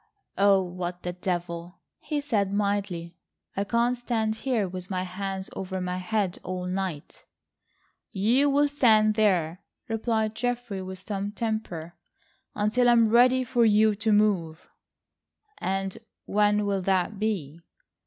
"Oh, what the devil!" he said mildly; "I can't stand here with my hands over my head all night." "You'll stand there," replied Geoffrey with some temper, "until I'm ready for you to move." "And when will that be?"